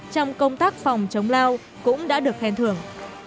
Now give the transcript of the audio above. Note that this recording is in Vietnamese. trong công tác phòng chống lao cũng đã được khen thưởng